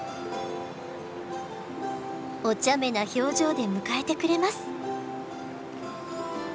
おちゃめな表情で迎えてくれます。